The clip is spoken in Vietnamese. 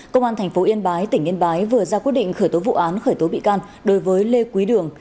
công an tp yên bái tỉnh yên bái vừa ra quyết định khởi tố vụ án khởi tố bị can đối với lê quý đường